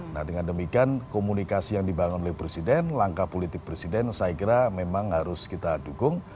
nah dengan demikian komunikasi yang dibangun oleh presiden langkah politik presiden saya kira memang harus kita dukung